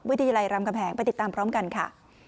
วิทยาลัยรามกำแหงไปติดตามพร้อมกันค่ะ